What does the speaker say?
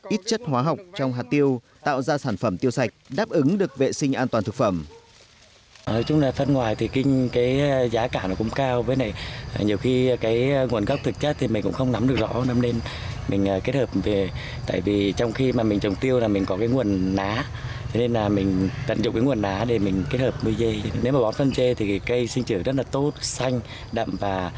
ít chất hóa học trong hạt tiêu tạo ra sản phẩm tiêu sạch đáp ứng được vệ sinh an toàn thực phẩm